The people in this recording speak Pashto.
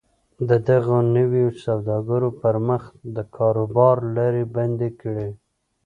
د دغو نویو سوداګرو پر مخ د کاروبار لارې بندې کړي